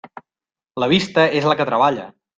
La vista és la que treballa.